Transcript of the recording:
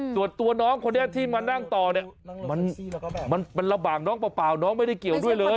ส่วนตัวน้องคนนี้ที่มานั่งต่อเนี่ยมันลำบากน้องเปล่าน้องไม่ได้เกี่ยวด้วยเลย